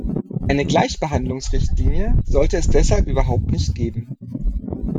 Eine Gleichbehandlungsrichtlinie sollte es deshalb überhaupt nicht geben.